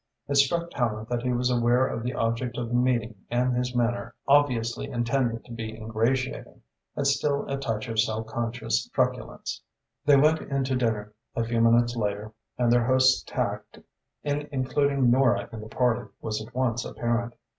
It struck Tallente that he was aware of the object of the meeting and his manner, obviously intended to be ingratiating, had still a touch of self conscious truculence. They went into dinner, a few minutes later, and their host's tact in including Nora in the party was at once apparent.